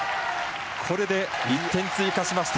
これで２点追加しました。